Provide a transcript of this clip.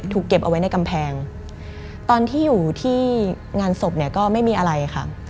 เก็บเอาไว้ในกำแพงตอนที่อยู่ที่งานศพเนี่ยก็ไม่มีอะไรค่ะ